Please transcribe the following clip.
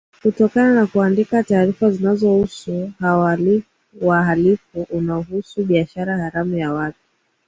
kutokana na kuandika taarifa zinazohusu wahalifu unaohusu biashara haramu ya watu